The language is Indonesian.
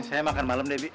saya makan malem deh bi